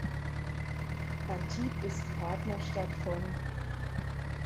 Antibes ist Partnerstadt von